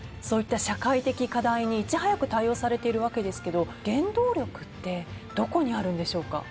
そういった社会的課題にいち早く対応されているわけですけど原動力ってどこにあるんでしょうか？